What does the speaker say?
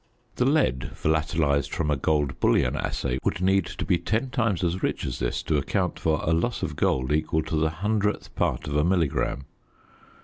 The lead volatilised from a gold bullion assay would need to be ten times as rich as this to account for a loss of gold equal to the hundredth part of a milligram.